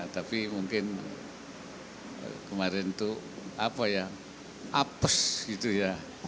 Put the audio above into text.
tapi mungkin kemarin itu apa ya apes gitu ya